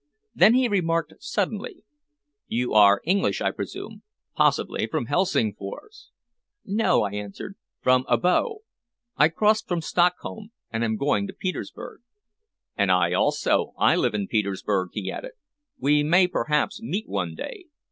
Then he remarked suddenly "You are English, I presume possibly from Helsingfors?" "No," I answered. "From Abo. I crossed from Stockholm, and am going to Petersburg." "And I also. I live in Petersburg," he added. "We may perhaps meet one day.